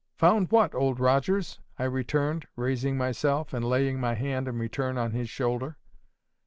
"Found what, Old Rogers?" I returned, raising myself, and laying my hand in return on his shoulder.